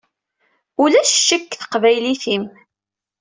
Ulac ccek deg teqbaylit-im.